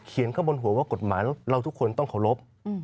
เขียนเข้าบนหัวว่ากฎหมายเราทุกคนต้องขอรบ